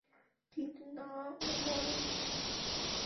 কিন্তু না ও বলেননি।